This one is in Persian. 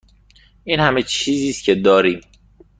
این همه چیزی است که داریم.